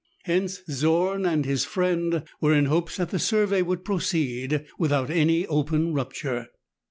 Hence Zorn and his friend were in hopes that the survey would proceed without any open rupture.